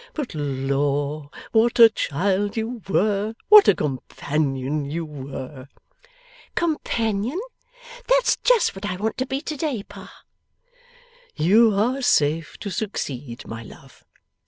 But Lor, what a child you were! What a companion you were!' 'Companion? That's just what I want to be to day, Pa.' 'You are safe to succeed, my love.